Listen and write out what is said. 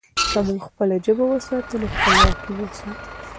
که موږ خپله ژبه وساتو، نو خپلواکي به وساتو.